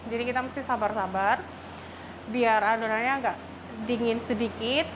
jadi kita mesti sabar sabar biar adonannya agak dingin sedikit